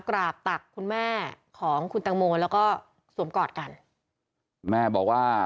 กราบตักคุณแม่ของคุณตังโมแล้วก็สวมกอดกันแม่บอกว่า